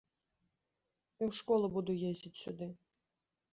І ў школу буду ездзіць сюды.